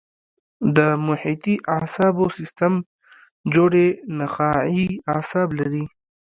د محیطي اعصابو سیستم جوړې نخاعي اعصاب لري.